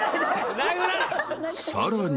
［さらに］